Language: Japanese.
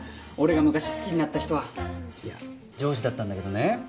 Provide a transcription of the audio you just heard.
俺が昔好きになった人はいや上司だったんだけどね